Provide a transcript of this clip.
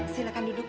silakan duduk pak